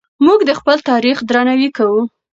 موږ د خپل تاریخ درناوی کوو.